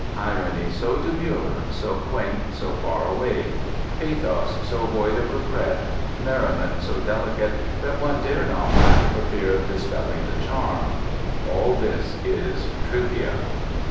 Irony so demure, so quaint, so far away; pathos so void of regret, merriment so delicate that one dare not laugh for fear of dispelling the charm—all this is "Trivia."